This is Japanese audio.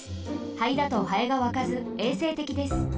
灰だとハエがわかずえいせいてきです。